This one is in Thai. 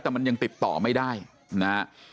แต่มันยังติดต่อไม่ได้นะฮะ